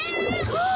ああ！